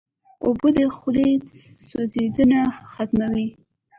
اوبه د خولې سوځېدنه ختموي.